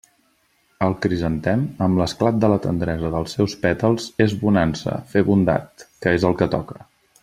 El crisantem, amb l'esclat de la tendresa dels seus pètals és bonança, fer bondat, que és el que toca.